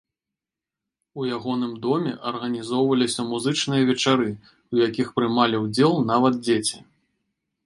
У ягоным доме арганізоўваліся музычныя вечары, у якіх прымалі ўдзел нават дзеці.